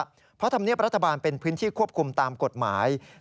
เพราะธรรมเนียบรัฐบาลเป็นพื้นที่ควบคุมตามกฎหมาย